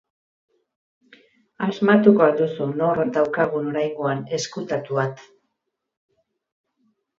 Asmatuko al duzu nor daukagun oraingoan ezkutatuat?